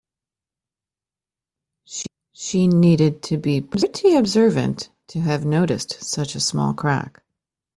She needed to be pretty observant to have noticed such a small crack.